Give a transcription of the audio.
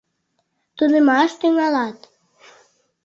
Тунемаш тӱҥалат.